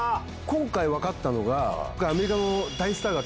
今回分かったのが。